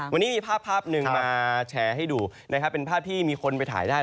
วันนี้มีภาพภาพหนึ่งมาแชร์ให้ดูนะครับเป็นภาพที่มีคนไปถ่ายได้